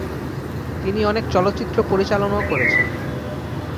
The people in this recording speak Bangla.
তিনি অনেক চলচ্চিত্র পরিচালনাও করেছেন।